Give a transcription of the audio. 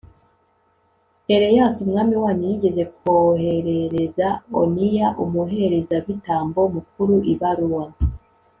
areyasi umwami wanyu, yigeze koherereza oniya, umuherezabitambo mukuru, ibaruwa